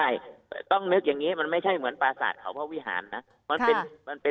ใช่ต้องนึกอย่างนี้มันไม่ใช่เหมือนปราศาสตร์ของพระวิหารนะ